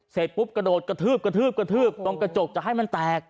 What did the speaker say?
เสร็จปุ๊บกระโดดกระทืบกระทืบกระทืบตรงกระจกจะให้มันแตก